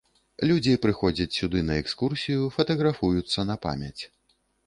Людзі прыходзяць сюды на экскурсію, фатаграфуюцца на памяць.